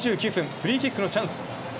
フリーキックのチャンス。